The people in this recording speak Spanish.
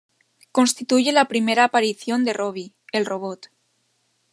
Constituye la primera aparición de Robby, el robot.